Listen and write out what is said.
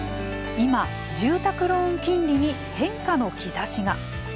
今、住宅ローン金利に変化の兆しが。